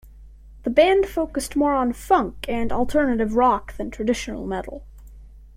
The band focused more on funk and alternative rock than traditional metal.